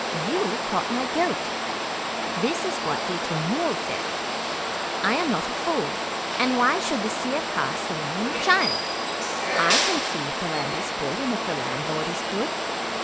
'You caught my goat. This is what Ditta Mull says 'I am not a fool, and why should the Sirkar say I am a child? I can see if the land is good and if the landlord is good.